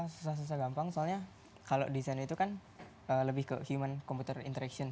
susah susah gampang soalnya kalau desain itu kan lebih ke human computer interaction